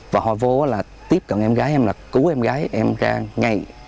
và họ vô là tiếp cận em gái em là cứu em gái em ra ngay